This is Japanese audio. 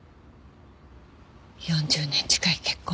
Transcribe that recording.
４０年近い結婚生活。